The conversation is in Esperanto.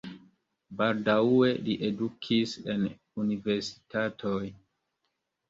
Baldaŭe li edukis en universitatoj.